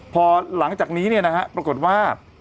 พอหลังจากนี้เนี่ยนะฮะปรากฏว่า